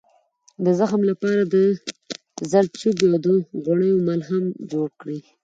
د زخم لپاره د زردچوبې او غوړیو ملهم جوړ کړئ